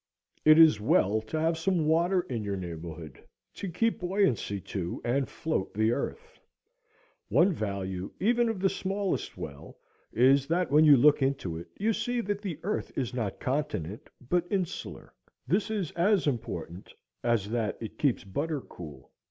It is well to have some water in your neighborhood, to give buoyancy to and float the earth. One value even of the smallest well is, that when you look into it you see that earth is not continent but insular. This is as important as that it keeps butter cool.